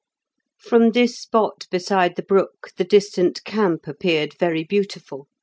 From this spot beside the brook the distant camp appeared very beautiful.